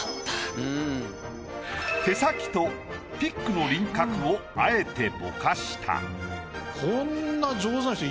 手先とピックの輪郭をあえてぼかした。